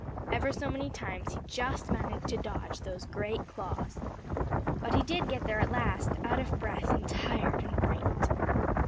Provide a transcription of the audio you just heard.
Ever so many times he just managed to dodge those great claws. But he did get there at last, out of breath and tired and frightened.